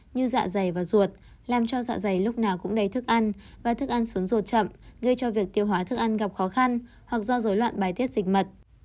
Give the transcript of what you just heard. như dạ dày và ruột làm cho dạ dày lúc nào cũng đầy thức ăn và thức ăn xuống ruột chậm gây cho việc tiêu hóa thức ăn gặp khó khăn hoặc do dối loạn bài tiết dịch mật